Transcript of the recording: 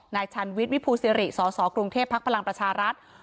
นายชันวิทย์วิภูซิริสสกรุงเทพฯพรรคพลังประชารัฐ